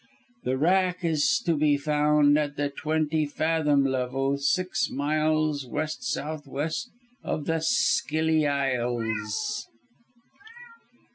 The wrack is to be found at the twenty fathom level, six miles west south west of the Scilly Isles.